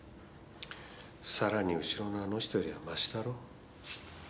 さらに後ろのあの人よりはマシだろ。